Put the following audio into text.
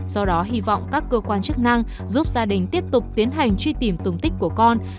do đó hy vọng các cơ quan chức năng giúp gia đình tiếp tục tiến hành truy tìm tung tích của con